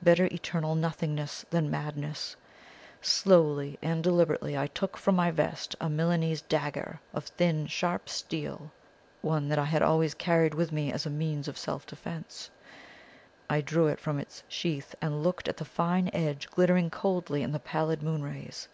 Better eternal nothingness than madness. Slowly and deliberately I took from my vest a Milanese dagger of thin sharp steel one that I always carried with me as a means of self defence I drew it from its sheath, and looked at the fine edge glittering coldly in the pallid moon rays.